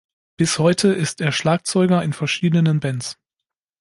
Bis heute ist er Schlagzeuger in verschiedenen Bands.